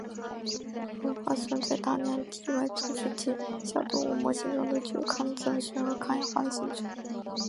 鞣花酸在大量体外组织及小动物模型中都具有抗增生和抗氧化的性质。